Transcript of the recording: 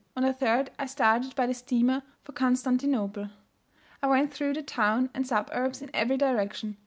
On the third I started by the steamer for Constantinople. I went through the town and suburbs in every direction.